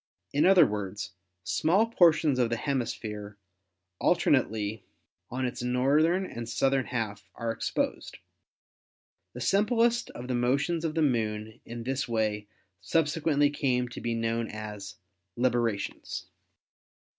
In other words, small portions of the hemisphere alternately on its north ern and southern half are exposed. The simplest of the motions of the Moon in this way subsequently came to be known as "librations."